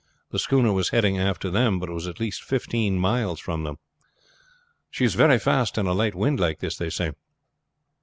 The schooner was heading after them, but was at least fifteen miles from them." "She is very fast in a light wind like this, they say."